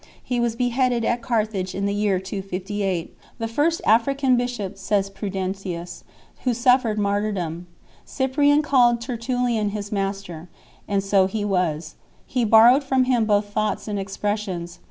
He was beheaded at Carthage in the year 258, the first African bishop, says Prudentius, who suffered martyrdom. Cyprian called Tertullian his master, and so he was ; he borrowed from him both thoughts and expressions.